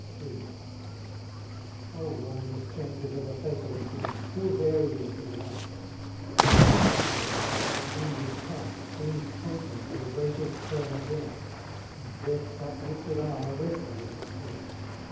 III. O wondrous changes of a fatal scene, Still varying to the last! Heaven, though its hard decree was past, Seem'd pointing to a gracious turn again: And death's uplifted arm arrested in its haste.